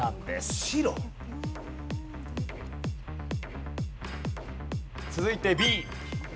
白？続いてＢ。